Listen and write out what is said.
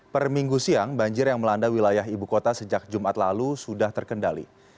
per minggu siang banjir yang melanda wilayah ibu kota sejak jumat lalu sudah terkendali